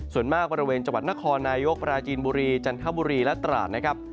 ส่วนมากบริเวณจังหวัดนครนายกปราจีนบุรีจันทบุรีและตราดนะครับ